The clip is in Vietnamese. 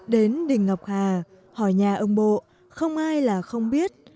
đến đình ngọc hà hỏi nhà ông bộ không ai là không biết